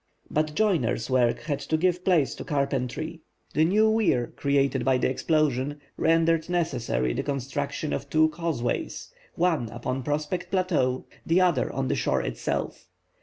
But joiners work had to give place to carpentry. The new weir created by the explosion rendered necessary the construction of two causeways, one upon Prospect Plateau, the other on the shore itself.